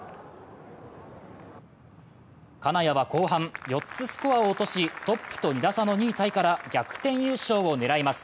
金谷は後半、４つスコアを落としトップと２打差の２位タイから逆転優勝を狙います。